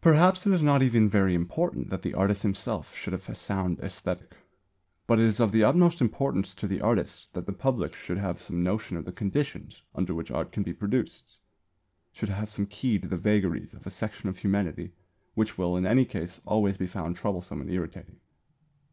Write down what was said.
Perhaps it is not even very important that the artist himself should have a sound æsthetic; but it is of the utmost importance to the artist that the public should have some notion of the conditions under which art can be produced should have some key to the vagaries of a section of humanity which will in any case always be found troublesome and irritating.